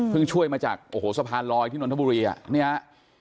เพิ่งช่วยมาจากสะพานรอยที่นวลธบุรีอ่ะ